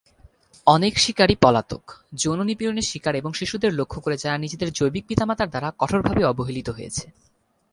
অনেক শিকারী পলাতক, যৌন নিপীড়নের শিকার এবং শিশুদের লক্ষ্য করে যারা তাদের জৈবিক পিতামাতার দ্বারা কঠোরভাবে অবহেলিত হয়েছে।